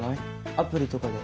アプリとかで。